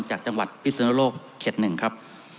จากจังหวัดพิศุโนโลกข์เค็ด๑ครับ